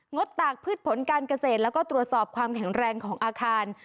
ดตากพืชผลการเกษตรแล้วก็ตรวจสอบความแข็งแรงของอาคาร